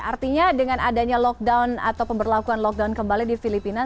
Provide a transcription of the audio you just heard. artinya dengan adanya lockdown atau pemberlakuan lockdown kembali di filipina